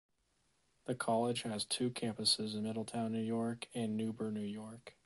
The college has two campuses in Middletown, New York and in Newburgh, New York.